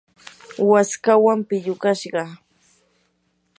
waskawan pillukashqa.